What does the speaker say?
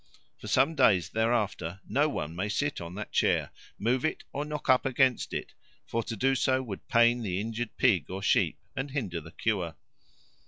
For some days thereafter no one may sit on that chair, move it, or knock up against it; for to do so would pain the injured pig or sheep and hinder the cure.